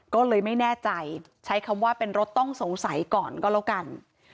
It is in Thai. ก็เลยไม่แน่ใจใช้คำว่าเป็นรถต้องสงสัยก่อนก็แล้วกัน